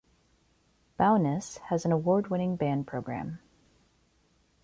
Bowness has an award-winning band program.